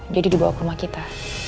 jadi dibawa ke rumah kita